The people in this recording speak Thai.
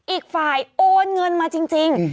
อีกฝ่ายโอนเงินมาจริง